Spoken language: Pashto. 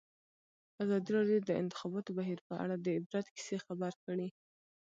ازادي راډیو د د انتخاباتو بهیر په اړه د عبرت کیسې خبر کړي.